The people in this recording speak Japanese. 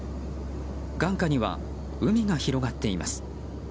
眼下には海が広がっています。